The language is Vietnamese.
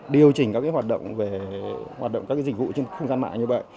điều chỉnh các hoạt động về hoạt động các dịch vụ trên không gian mạng như vậy